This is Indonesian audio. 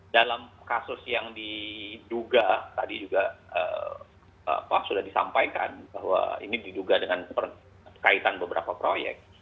dalam kasus yang diduga tadi juga sudah disampaikan bahwa ini diduga dengan kaitan beberapa proyek